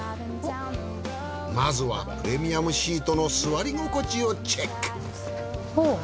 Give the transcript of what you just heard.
まずはプレミアムシートの座り心地をチェックおっ！